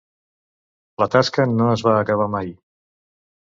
La tasca no es va acabar mai.